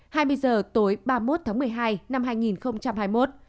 hai mươi h tối ba mươi một tháng một mươi hai năm hai nghìn hai mươi một